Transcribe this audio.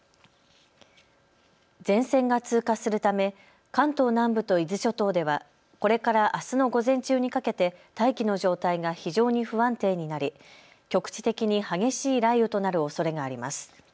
前線が通過するため関東南部と伊豆諸島ではこれからあすの午前中にかけて大気の状態が非常に不安定になり局地的に激しい雷雨となるおそれがあります。